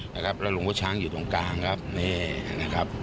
แล้วลุงผู้ช้างอยู่ตรงกลางครับนี่นะครับ